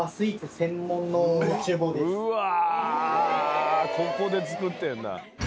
うわここで作ってんだええ